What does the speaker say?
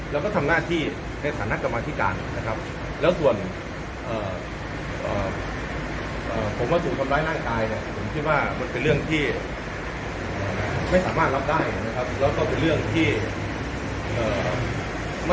แล้วก็เป็นเรื่องที่เอ่อมาทำกันถึงในห้องหัวหน้าพักหรือเปล่าครับ